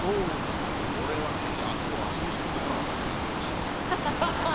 これ今日、朝飯食ってこなかったんでおいしいですよ。